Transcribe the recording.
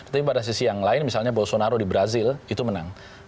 tapi pada sisi yang lain misalnya bolsonaro di brazil itu menang